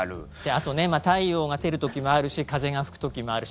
あと太陽が照る時もあるし風が吹く時もあるし